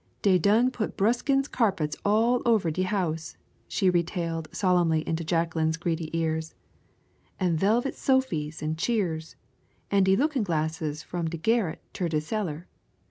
"Dey done put Bruskins carpets all over de house," she retailed solemnly into Jacqueline's greedy ears, "an' velvet sofys an' cheers, an' de lookin' glasses from de garret ter de cellar.